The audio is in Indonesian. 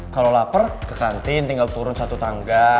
kalau lapar ke kantin tinggal turun satu tangga